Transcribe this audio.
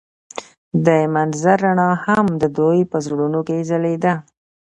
د منظر رڼا هم د دوی په زړونو کې ځلېده.